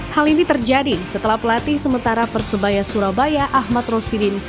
hal ini terjadi setelah pelatih sementara persebaya surabaya ahmad rosidin